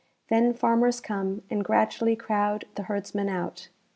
Then farmers come and gradually crowd the herdsmen out.